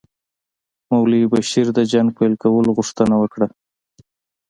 مولوي بشیر د جنګ پیل کولو غوښتنه وکړه.